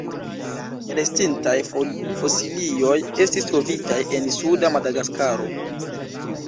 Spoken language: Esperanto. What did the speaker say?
Restintaj fosilioj estis trovitaj en suda Madagaskaro.